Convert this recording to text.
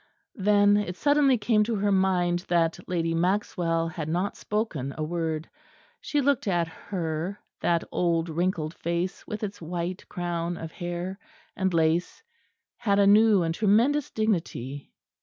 Then it suddenly came to her mind that Lady Maxwell had not spoken a word. She looked at her; that old wrinkled face with its white crown of hair and lace had a new and tremendous dignity.